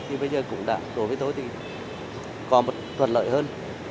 thì bây giờ cũng đã đối với tôi thì có một thuận lợi hơn